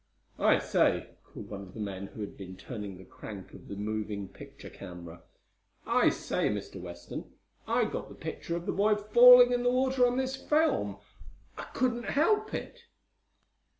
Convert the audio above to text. "I say!" called one of the men who had been turning the crank of the moving picture camera. "I say, Mr. Weston, I got the picture of the boy falling in the water on this film. I couldn't help it."